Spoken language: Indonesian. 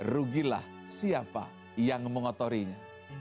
rugilah siapa yang mengotorinya